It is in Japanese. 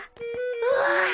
うわ！